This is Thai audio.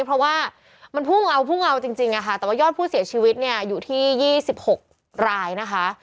เพราะว่ามันพุ่งเอาพุ่งเอาจริงแต่ว่ายอดผู้เสียชีวิตเนี่ยอยู่ที่๒๖รายนะคะ